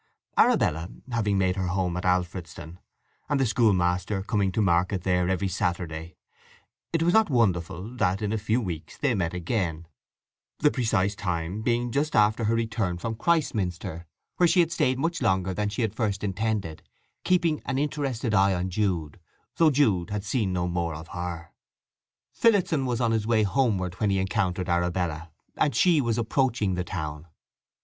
Arabella having made her home at Alfredston, and the schoolmaster coming to market there every Saturday, it was not wonderful that in a few weeks they met again—the precise time being just after her return from Christminster, where she had stayed much longer than she had at first intended, keeping an interested eye on Jude, though Jude had seen no more of her. Phillotson was on his way homeward when he encountered Arabella, and she was approaching the town.